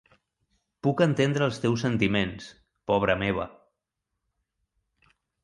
Puc entendre els teus sentiments, pobra meva.